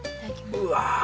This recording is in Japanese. うわ！